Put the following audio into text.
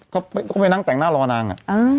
ก็ไปนั่งแต่งหน้ารอนางอะ